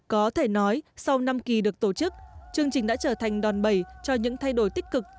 có thể nói sau năm kỳ được tổ chức chương trình đã trở thành đòn bẩy cho những thay đổi tích cực